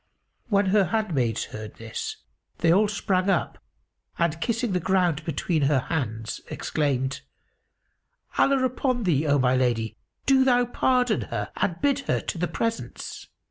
When her handmaids heard this, they all sprang up; and, kissing the ground between her hands, exclaimed, "Allah upon thee, O my lady, do thou pardon her and bid her to the presence!"